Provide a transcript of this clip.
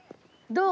どう？